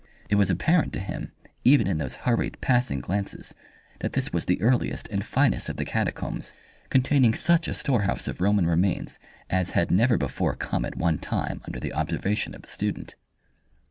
It was apparent to him, even in those hurried, passing glances, that this was the earliest and finest of the catacombs, containing such a storehouse of Roman remains as had never before come at one time under the observation of the student.